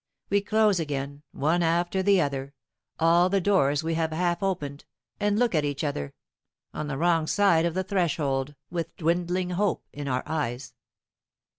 We close again, one after the other, all the doors we had half opened, and look at each other, on the wrong side of the threshold, with dwindling hope in our eyes.